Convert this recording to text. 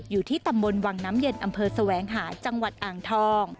อยู่ที่ตำบลวังน้ำเย็นอำเภอแสวงหาจังหวัดอ่างทอง